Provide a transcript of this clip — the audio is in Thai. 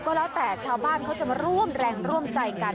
ก็แล้วแต่ชาวบ้านเขาจะมาร่วมแรงร่วมใจกัน